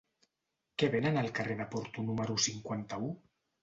Què venen al carrer de Porto número cinquanta-u?